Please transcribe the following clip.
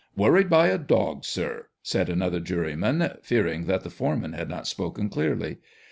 " Worried by a dog, sir," said another juryman, fearing that the foreman had not spoken clearly.